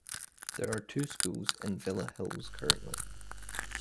There are two schools in Villa Hills currently.